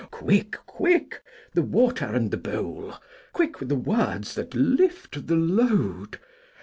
Quick, quick, the water and the bowl! Quick with the words that lift the load!